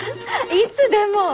いつでも！